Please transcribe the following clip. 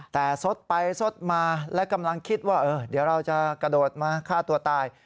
แต่ซดไปซดมาและกำลังคิดว่าเดี๋ยวเราจะกระโดดมาฆ่าตัวตาย